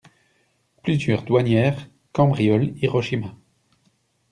Plusieurs douanières cambriolent Hiroshima!